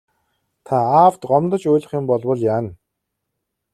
Та аавд гомдож уйлах юм болбол яана.